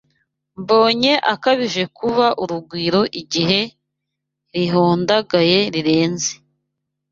Mbonye akabije kuba urugwiro Igihe rihundagaye rirenze